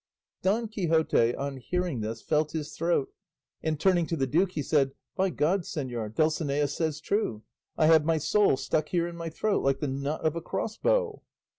Don Quixote on hearing this felt his throat, and turning to the duke he said, "By God, señor, Dulcinea says true, I have my soul stuck here in my throat like the nut of a crossbow."